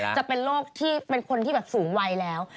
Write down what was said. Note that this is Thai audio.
จะเป็นโรคที่เป็นคนที่แบบสูงวัยแล้ว